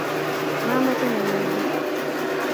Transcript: mamache ngalek kuk